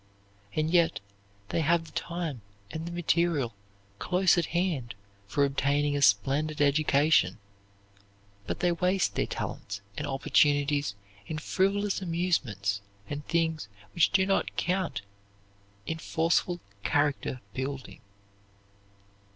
And yet they have the time and the material close at hand for obtaining a splendid education, but they waste their talents and opportunities in frivolous amusements and things which do not count in forceful character building.